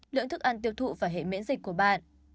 lượng thức ăn tiêu thụ và hệ miễn dịch của bạn